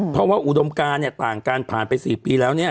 เพราะว่าอุดมการเนี่ยต่างกันผ่านไป๔ปีแล้วเนี่ย